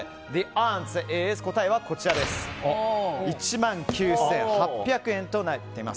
答えは１万９８００円となっています。